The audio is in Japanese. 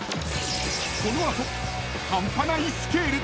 ［この後半端ないスケール！］